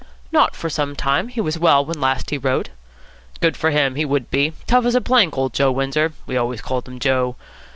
"Not for some time. He was well when he last wrote." "Good for him. He would be. Tough as a plank, old Joe Windsor. We always called him Joe."